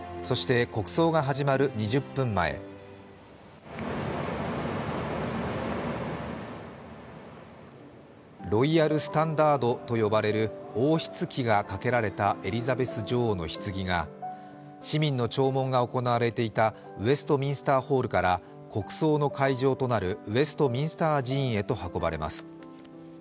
そして、国葬が始まる２０分前ロイヤル・スタンダードと呼ばれる王室旗がかけられたエリザベス女王のひつぎが市民の弔問が行われていたウェストミンスターホールから国葬の会場となるウェストミンスター寺院へと運ばれます。